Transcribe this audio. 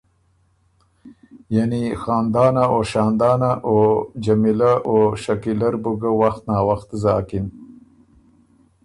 یعنی خاندانه او شاندانه، او جمیلۀ او شکیلۀ بو ګۀ وخت ناوخت زاکِن۔